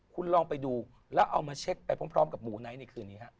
คุณลองไปดูแล้วเอามาชัดไปพร้อมกับหมูไหนเนี่ยคืนนี้ครับ